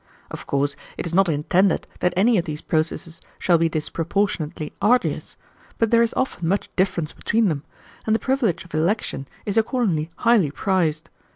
Of course it is not intended that any of these processes shall be disproportionately arduous, but there is often much difference between them, and the privilege of election is accordingly highly prized.